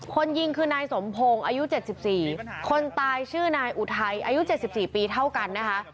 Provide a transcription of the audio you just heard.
คนยิงคือนายสมพงศ์อายุ๗๔คนตายชื่อนายอุทัยอายุ๗๔ปีเท่ากันนะคะ